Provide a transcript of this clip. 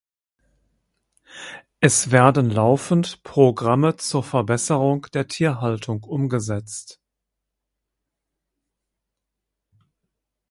Es werden laufend Programme zur Verbesserung der Tierhaltung umgesetzt.